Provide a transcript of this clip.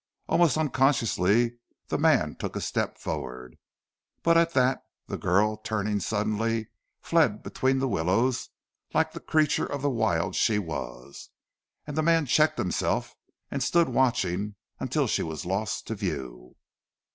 Almost unconsciously the man took a step forward. But at that the girl, turning suddenly, fled between the willows like the creature of the wild she was, and the man checked himself and stood watching until she was lost to view.